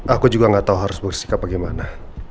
aku juga gak tau harus beristirahat bagaimana